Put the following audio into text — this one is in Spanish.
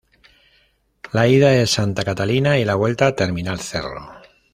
La ida es santa catalina y la vuelta terminal cerro.